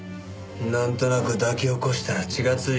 なんとなく抱き起こしたら血がついて？